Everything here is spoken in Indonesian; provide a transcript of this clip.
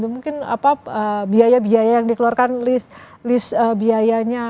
mungkin biaya biaya yang dikeluarkan list biayanya